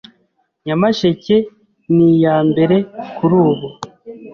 Nyamasheke niya mbere kurubu